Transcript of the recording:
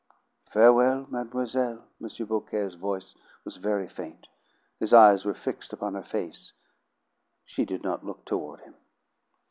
"Farewell, mademoiselle!" M. Beaucaire's voice was very faint. His eyes were fixed upon her face. She did not look toward him.